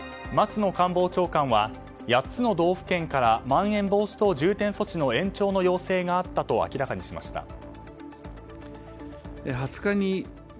松野官房長官は８つの道府県からまん延防止等重点措置の延長の要請があったと明らかにしました。